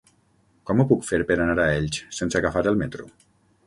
Com ho puc fer per anar a Elx sense agafar el metro?